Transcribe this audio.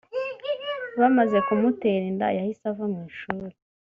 Bamaze kumutera inda yahise ava mu ishuri